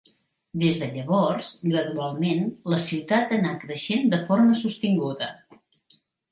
Des de llavors, gradualment, la ciutat ha anat creixent de forma sostinguda.